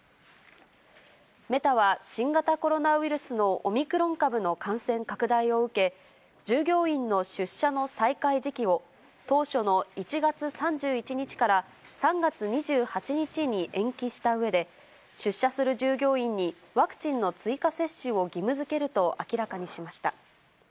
メタは、新型コロナウイルスのオミクロン株の感染拡大を受け、従業員の出社の再開時期を、当初の１月３１日から３月２８日に延期したうえで、出社する従業員にワクチンの追加接種を義務づけると明らかにしました。